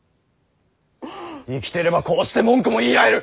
生きてればこうして文句も言い合える。